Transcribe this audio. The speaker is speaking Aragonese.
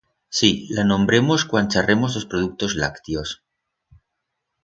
Sí, la nombremos cuan charremos d'os productos lactios.